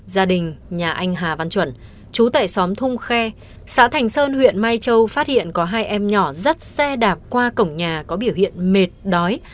gia đình nhà anh hà văn chuẩn chú tại xóm thung khe xã thành sơn huyện mai châu phát hiện có hai em nhỏ dắt xe đạp qua cổng nhà có biểu hiện mệt đói